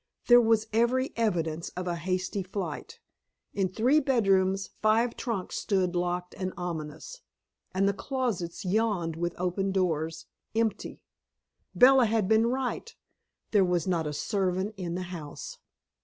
There was every evidence of a hasty flight; in three bedrooms five trunks stood locked and ominous, and the closets yawned with open doors, empty. Bella had been right; there was not a servant in the house.